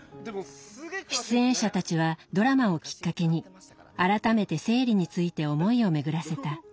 出演者たちはドラマをきっかけに改めて生理について思いを巡らせた。